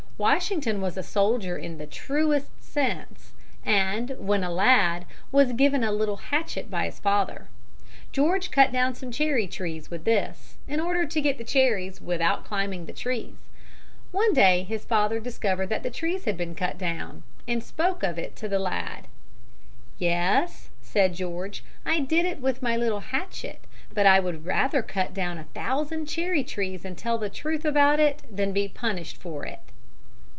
Washington was a soldier in the true sense, and, when a lad, was given a little hatchet by his father. George cut down some cherry trees with this, in order to get the cherries without climbing the trees. One day his father discovered that the trees had been cut down, and spoke of it to the lad. "Yes," said George, "I did it with my little hatchet; but I would rather cut down a thousand cherry trees and tell the truth about it than be punished for it."